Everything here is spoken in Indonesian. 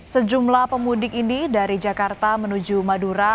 sejumlah pemudik ini dari jakarta menuju madura